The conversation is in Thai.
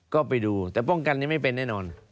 ก็ไปดูแต่ป้องกันนี้ไม่เป็นแน่นอน